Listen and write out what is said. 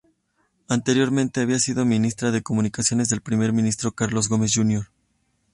Anteriormente había sido Ministra de Comunicaciones del Primer Ministro Carlos Gomes Júnior.